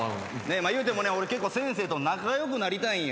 言うてもね俺先生と仲良くなりたいんよ。